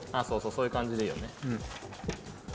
そうそうそういう感じでいいよね。